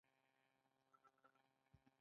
کله چې پانګوال د پور غوښتلو لپاره بانک ته ځي